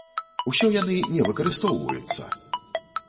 Усё яны не выкарыстоўваюцца!